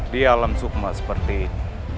di alam sukma seperti ini